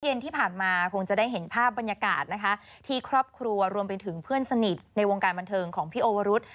ที่ผ่านมาคงจะได้เห็นภาพบรรยากาศนะคะที่ครอบครัวรวมไปถึงเพื่อนสนิทในวงการบันเทิงของพี่โอวรุษ